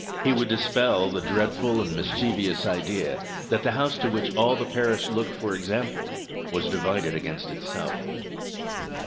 He would dispel the dreadful and mischievous idea that the house to which all the parish looked for example was divided against itself!